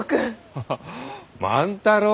ハハッ万太郎！